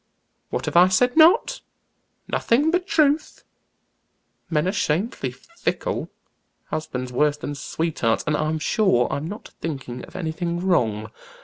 "What have I said now? Nothing but truth. Men are shamefully fickle, husbands worse than sweethearts, and I'm sure I'm not thinking of anything wrong.